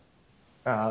ああ。